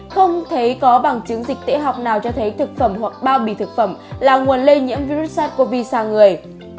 không thấy có bằng chứng dịch tễ học nào cho thấy thực phẩm hoặc bao bì thực phẩm là nguồn lây nhiễm virus sars cov hai sang người